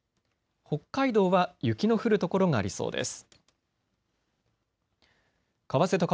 北海道は雪の降る所がありそうです。